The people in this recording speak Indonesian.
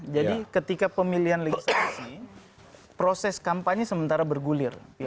jadi ketika pemilihan legislasi proses kampanye sementara bergulir